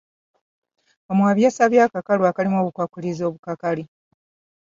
Omuwaabi yasabye akakalu akalimu obukwakkulizo obukakali.